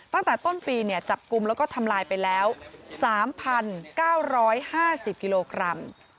ตั้งแต่ต้นปีจับกลุ่มแล้วก็ทำลายไปแล้ว๓๙๕๐กิโลกรัม